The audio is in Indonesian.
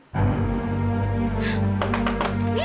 dia terlalu tertengkar